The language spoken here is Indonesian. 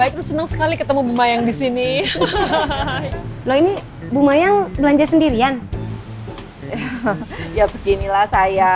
itu senang sekali ketemu bu mayang di sini loh ini bu mayang belanja sendirian ya beginilah saya